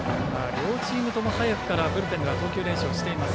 両チームとも早くからブルペンでは投球練習をしています。